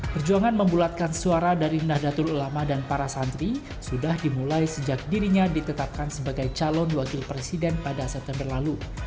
perjuangan membulatkan suara dari nahdlatul ulama dan para santri sudah dimulai sejak dirinya ditetapkan sebagai calon wakil presiden pada september lalu